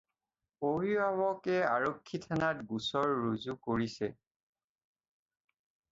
অভিভাৱকে আৰক্ষী থানাত গোচৰ ৰুজু কৰিছে।